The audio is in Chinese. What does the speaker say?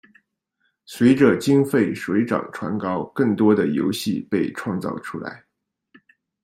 随着经费水涨船高更多的游戏被创造出来。